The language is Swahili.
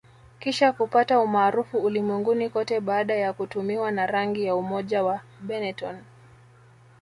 Kisha kupata umaarufu ulimwenguni kote baada ya kutumiwa na rangi ya umoja wa Benetton